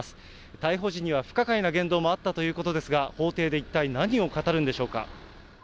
逮捕時には、不可解な言動もあったということですが、法廷で一体何を語るんでしょうか。